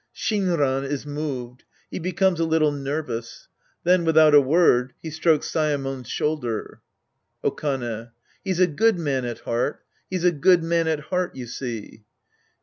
(Shinran is moved. He becomes a little nervous. Then without a word, he strokes Saemon's shoulder^ Okane. He's a good man at heart. He's a good man at heart, you see.